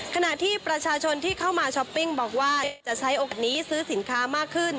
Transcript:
ขณะที่ประชาชนที่เข้ามาช้อปปิ้งบอกว่าจะใช้โอกาสนี้ซื้อสินค้ามากขึ้น